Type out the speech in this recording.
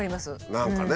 何かね。